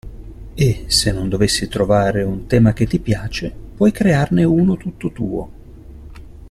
E, se non dovessi trovare un tema che ti piace, puoi crearne uno tutto tuo!